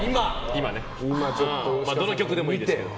どの局でもいいですけど。